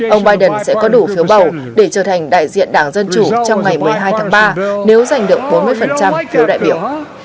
ông biden sẽ có đủ phiếu bầu để trở thành đại diện đảng dân chủ trong ngày một mươi hai tháng ba nếu giành được bốn mươi phiếu đại biểu